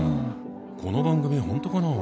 この番組本当かな？